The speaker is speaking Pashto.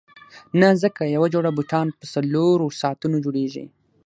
نه ځکه یوه جوړه بوټان په څلورو ساعتونو جوړیږي.